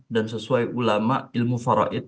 dan sesuai ulama ilmu faraid